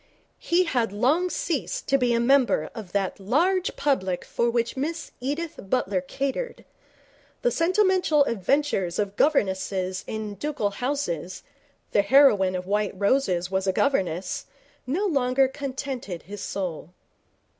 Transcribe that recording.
He had long ceased to be a member of that large public for which Miss Edith Butler catered. The sentimental adventures of governesses in ducal houses the heroine of White Roses was a governess no longer contented his soul.